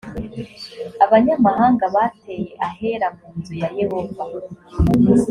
abanyamahanga bateye ahera mu nzu ya yehova